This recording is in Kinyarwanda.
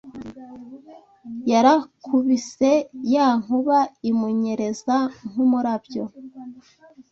Yarakubise ya nkuba Imunyereza nk’umurabyo